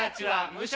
無職？